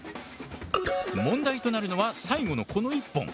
問題となるのは最後のこの１本。